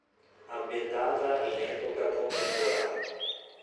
Ambientata in epoca contemporanea.